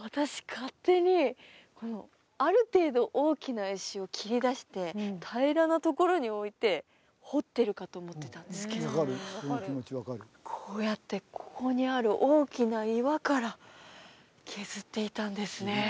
勝手にある程度大きな石を切り出して平らなところに置いて彫ってるかと思ってたんですけどこうやってここにある大きな岩から削っていたんですね